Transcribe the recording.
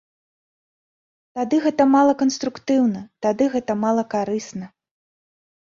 Тады гэта мала канструктыўна, тады гэта мала карысна.